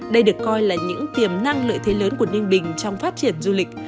đây được coi là những tiềm năng lợi thế lớn của ninh bình trong phát triển du lịch